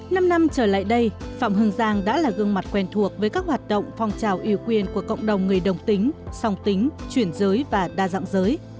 năm năm trở lại đây phạm hưng giang đã là gương mặt quen thuộc với các hoạt động phong trào yêu quyền của cộng đồng người đồng tính song tính chuyển giới và đa dạng giới